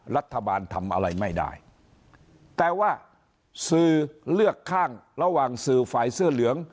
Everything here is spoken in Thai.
รัฐบาลทำอะไรไม่ได้แต่ว่าสื่อเลือกข้างระหว่างสื่อฝ่ายเสื้อเหลือง